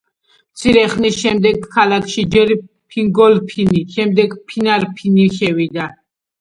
მცირე ხნის შემდეგ ქალაქში ჯერ ფინგოლფინი, შემდეგ კი ფინარფინი, შევიდა.